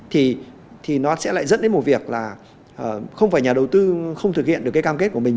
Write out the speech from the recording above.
thì nó sẽ lại dẫn đến một việc là không phải nhà đầu tư không thực hiện được cái cam kết của mình